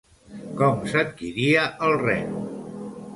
Com s'adquiria el Ren?